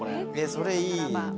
それいいね。